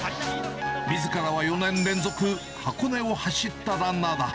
みずからは４年連続箱根を走ったランナーだ。